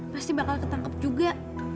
pasti bakal ketangkep juga